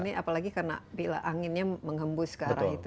ini apalagi karena bila anginnya menghembus ke arah itu